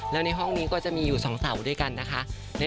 แล้วในห้องนี้ก็จะมีอยู่๒เสาด้วยกันนะคะ